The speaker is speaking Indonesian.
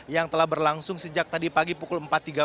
yang telah berlangsung sejak tadi pagi pukul empat tiga puluh